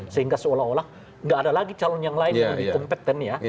sehingga seolah olah nggak ada lagi calon yang lain yang lebih kompeten ya